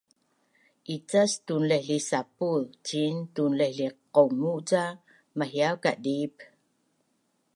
Icas tunlaihlihsapuz ciin tunlaihlihqaungu’ ca mahiav kadiip?